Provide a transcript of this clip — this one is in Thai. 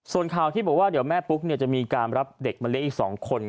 ส่วนข่าวที่บอกว่าแม่ปุ๊กจะมีการรับเด็กเมล็ดอีก๒คน